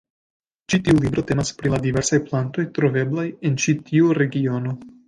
Ĉi tiu libro temas pri la diversaj plantoj troveblaj en ĉi tiu regiono.